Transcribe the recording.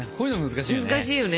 難しいよね。